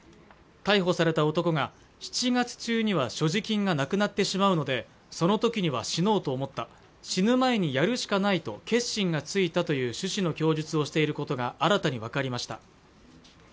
逮捕された男が７月中には所持金がなくなってしまうのでその時には死のうと思った死ぬ前にやるしかないと決心がついたという趣旨の供述をしていることが新たに分かりました